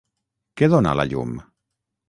Què dóna la llum?